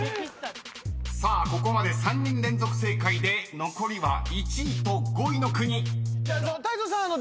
［ここまで３人連続正解で残りは１位と５位の国］